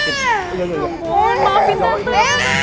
ya ampun maafin tante